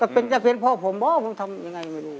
ก็เป็นจะเป็นเพราะผมเหรอผมทำอย่างไรไม่รู้